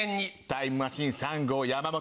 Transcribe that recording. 「タイムマシーン３号山本」。